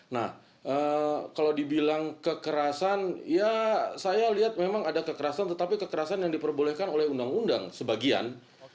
nah kalau dibilang kekerasan ya saya lihat memang ada kekerasan tetapi kekerasan yang diperbolehkan oleh undang undang sebagian